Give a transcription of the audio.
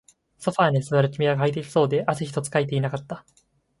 ソファーに座る君は快適そうで、汗一つかいていなかった